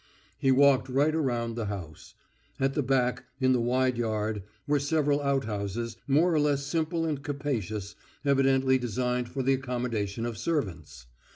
He walked right round the house. At the back, in the wide yard, were several outhouses more or less simple and capacious, evidently designed for the accommodation of servants.